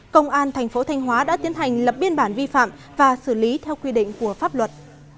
công an thành phố thanh hóa đã tiến hành lập biên bản vi phạm và xử lý theo quy định của pháp luật